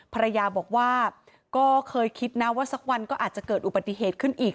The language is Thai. ภรรยาบอกว่าก็เคยคิดนะว่าสักวันก็อาจจะเกิดอุบัติเหตุขึ้นอีก